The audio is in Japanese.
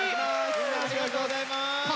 みんなありがとうございます。